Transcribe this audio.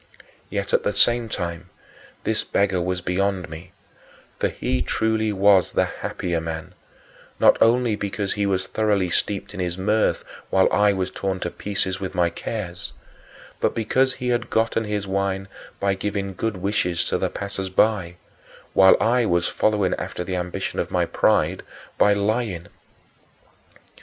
Yet, at the same time, this beggar was beyond me, for he truly was the happier man not only because he was thoroughly steeped in his mirth while I was torn to pieces with my cares, but because he had gotten his wine by giving good wishes to the passers by while I was following after the ambition of my pride by lying.